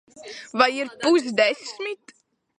Vai ir pusdesmit?